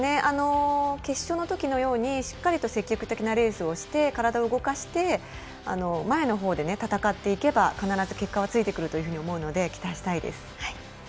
決勝のときのようにしっかりと積極的なレースをして体を動かして、前のほうで戦っていけば必ず結果はついてくると思うので期待したいです。